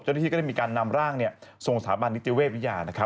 จนที่ก็ได้มีการนำร่างส่งสถาบันนิตยาวิทยา